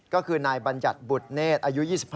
ก็คือนายบัญญัติบุฏเนศ